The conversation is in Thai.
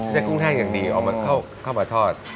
กุ้งแห้งอย่างดีเอามาเข้ามาทอด